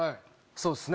そうっすね。